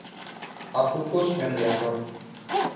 Apupos en Riazor.